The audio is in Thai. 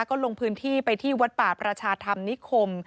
ก็ลงพื้นที่ไปที่วัดป่าประชาธรรมนิคม